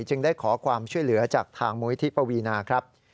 จึงได้ขอความช่วยเหลือจากทางมูลิธิปวีนาครับ